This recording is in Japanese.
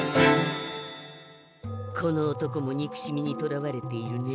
この男もにくしみにとらわれているねえ。